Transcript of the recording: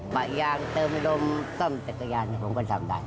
ปะยางเติมรมซ่อมเเตรกยานก็ได้